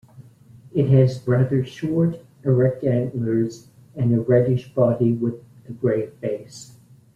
It has rather short, erect antlers and a reddish body with a grey face.